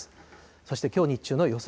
そしてきょう日中の予想